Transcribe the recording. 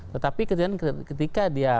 tetapi ketika dia